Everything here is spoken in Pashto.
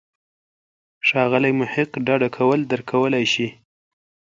ښاغلی محق ډډه کول درک کولای شي.